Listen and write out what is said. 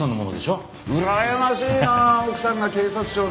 うらやましいな奥さんが警察庁の。